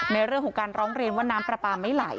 ในเรื่องของการร้องเรียนว่าน้ำปลาปลาไม่ไหล